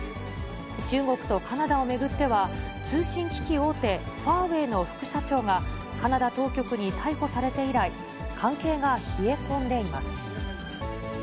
中国とカナダを巡っては、通信機器大手、ファーウェイの副社長がカナダ当局に逮捕されて以来、関係が冷え込んでいます。